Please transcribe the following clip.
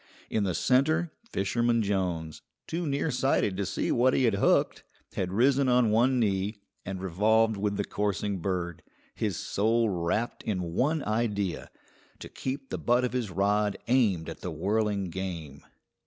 In the centre Fisherman Jones, too nearsighted to see what he had hooked, had risen on one knee, and revolved with the coursing bird, his soul wrapped in one idea: to keep the butt of his rod aimed at the whirling game.